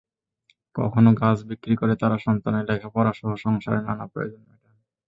কখনো গাছ বিক্রি করে তাঁরা সন্তানের লেখাপড়াসহ সংসারের নানা প্রয়োজন মেটান।